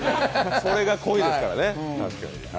それが恋ですからね。